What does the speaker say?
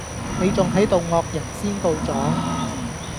你仲係度惡人先告狀